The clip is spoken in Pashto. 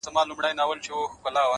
چاته د يار خبري ډيري ښې دي ـa